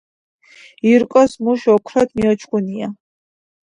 ირკოს მუში ოქროთ მიოჩქუნია."